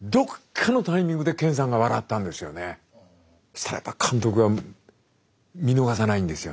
したらやっぱ監督は見逃さないんですよね。